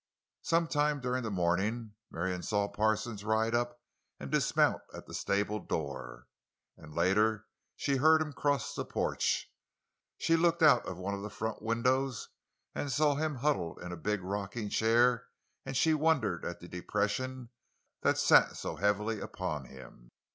Some time during the morning Marion saw Parsons ride up and dismount at the stable door; and later she heard him cross the porch. She looked out of one of the front windows and saw him huddled in a big rocking chair, and she wondered at the depression that sat so heavily upon him.